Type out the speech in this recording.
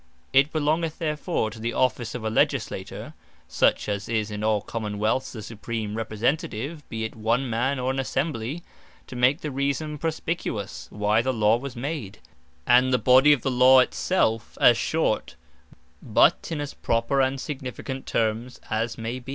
It belongeth therefore to the Office of a Legislator, (such as is in all Common wealths the Supreme Representative, be it one Man, or an Assembly,) to make the reason Perspicuous, why the Law was made; and the Body of the Law it selfe, as short, but in as proper, and significant termes, as may be.